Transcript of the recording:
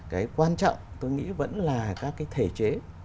cái quan trọng tôi nghĩ vẫn là các cái thể chế